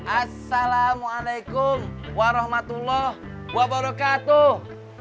assalamualaikum warahmatullah wabarakatuh